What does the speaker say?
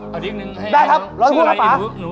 เอาดิงให้นะได้ครับรออยู่ดีกว่าครับป๊า